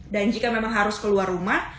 dan jika memang harus keluar rumah